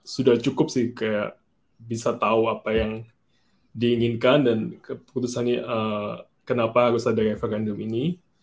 sudah cukup sih kayak bisa tahu apa yang diinginkan dan keputusannya kenapa harus ada evergendem ini